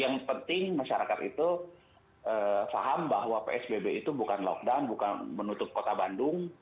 yang penting masyarakat itu paham bahwa psbb itu bukan lockdown bukan menutup kota bandung